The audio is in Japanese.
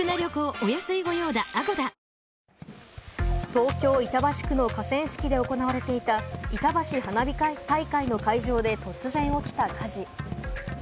東京・板橋区の河川敷で行われていた、いたばし花火大会の会場で突然起きた火事。